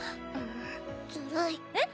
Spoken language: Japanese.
ずるいえっ？